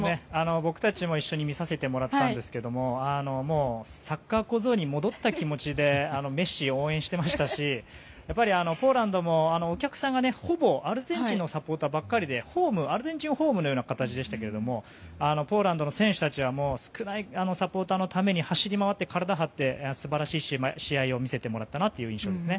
僕たちも一緒に見させてもらったんですけどもう、サッカー小僧に戻った気持ちでメッシを応援していましたしポーランドも、お客さんがほぼアルゼンチンのサポーターばかりでアルゼンチンホームのような形でしたけどポーランドの選手たちは少ないサポーターのために走り回って、体を張って素晴らしい試合を見せてもらったなという印象ですね。